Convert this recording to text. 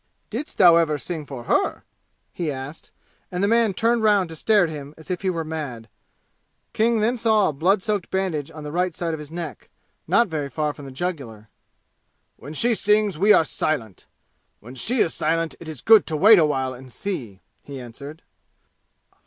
"Didst thou ever sing for her?" he asked, and the man turned round to stare at him as if he were mad, King saw then a blood soaked bandage on the right of his neck, not very far from the jugular. "When she sings we are silent! When she is silent it is good to wait a while and see!" he answered.